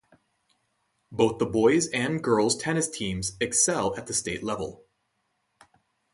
Both the boys' and gorls' tennis teams excel at the state level.